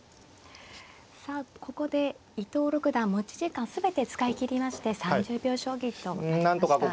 さあここで伊藤六段持ち時間全て使い切りまして３０秒将棋となりました。